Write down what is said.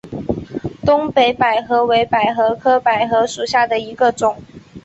东北百合为百合科百合属下的一个种。